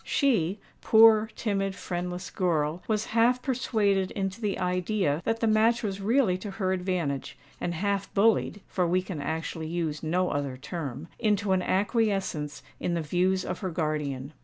She—poor timid, friendless girl!—was half persuaded into the idea that the match was really to her advantage, and half bullied (for we can actually use no other term) into an acquiescence in the views of her guardian.